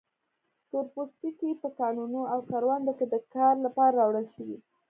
تور پوستکي په کانونو او کروندو کې د کار لپاره راوړل شوي.